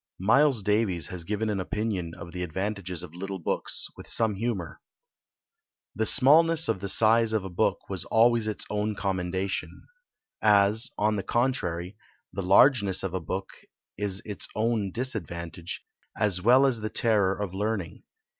Myles Davies has given an opinion of the advantages of Little Books, with some humour. "The smallness of the size of a book was always its own commendation; as, on the contrary, the largeness of a book is its own disadvantage, as well as the terror of learning.